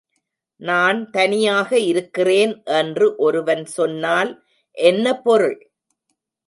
நான் தனியாக இருக்கிறேன் என்று ஒருவன் சொன்னால் என்ன பொருள்?